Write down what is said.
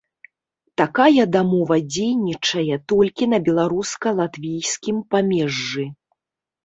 Такая дамова дзейнічае толькі на беларуска-латвійскім памежжы.